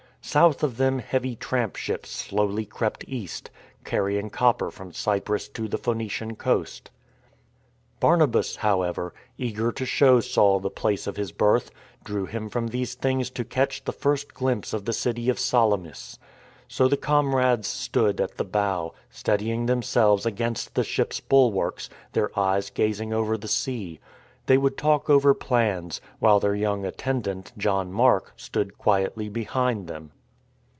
South of them heavy tramp ships slowly crept east, carrying copper from Cyprus to the Phoeni cian coast. 117 118 THE FORWARD TREAD Barnabas, however, eager to show Saul the place of his birth, drew him from these things to catch the first glimpse of the city of Salamis. So the comrades stood at the bow, steadying themselves against the ship's bulwarks, their eyes gazing over the sea. They would talk over plans, while their young attendant, John Mark, stood quietly behind them.